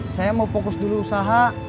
saya mau fokus dulu usaha